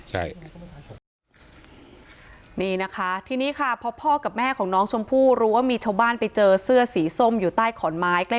ใช่นี่นะคะทีนี้ค่ะพอพ่อกับแม่ของน้องชมพู่รู้ว่ามีชาวบ้านไปเจอเสื้อสีส้มอยู่ใต้ขอนไม้ใกล้